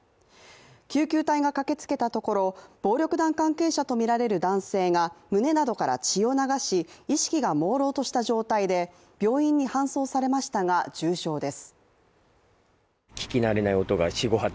救急隊が駆けつけたところ、暴力団関係者とみられる男性が胸などから血を流し、意識がもうろうとした状態で病院に搬送されましたが、重傷です。